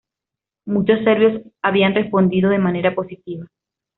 Muchos serbios habían respondido de manera positiva.